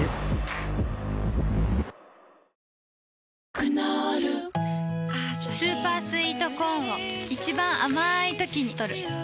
クノールスーパースイートコーンを一番あまいときにとる